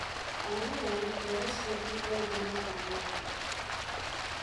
Agian, errespetu kontu bat baino ez da.